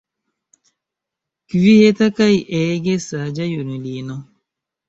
Kvieta kaj ege saĝa junulino.